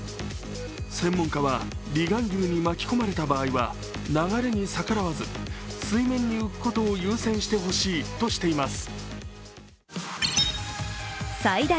専門家は離岸流に巻き込まれた場合は流れに逆らわず水面に浮くことを優先してほしいとしています。